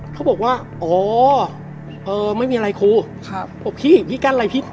เขาบอกว่าอ๋อไม่มีอะไรครูพี่กั้นอะไรพี่